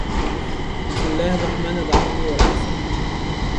بسم الله الرحمن الرحيم والعصر